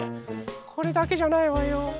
これだけじゃないわよ。